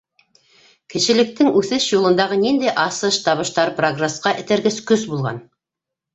Кешелектең үҫеш юлындағы ниндәй асыш-табыштар прогресҡа этәргес көс булған?